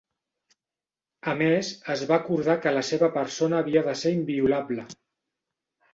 A més, es va acordar que la seva persona havia de ser inviolable.